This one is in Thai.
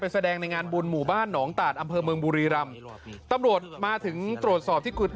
แสดงในงานบุญหมู่บ้านหนองตาดอำเภอเมืองบุรีรำตำรวจมาถึงตรวจสอบที่กุฎ